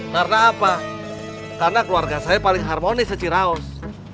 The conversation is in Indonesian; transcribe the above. karena apa karena keluarga saya paling harmonis seciraos